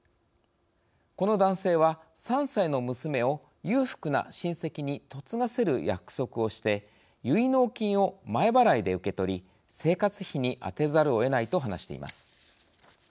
この男性は、３歳の娘を裕福な親戚に嫁がせる約束をして結納金を前払いで受け取り生活費に充てざるをえないと話しています。